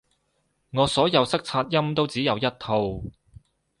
我所有塞擦音都只有一套